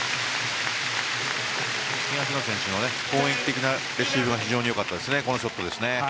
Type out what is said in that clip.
東野選手の攻撃的なレシーブが非常に良かったですね。